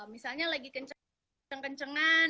misalnya lagi kenceng kencengan